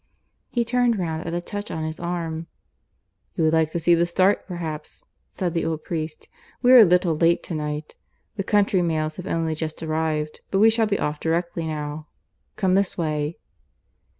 He turned round at a touch on his arm. "You would like to see the start, perhaps," said the old priest. "We are a little late to night. The country mails have only just arrived. But we shall be off directly now. Come this way."